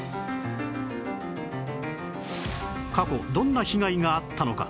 過去どんな被害があったのか？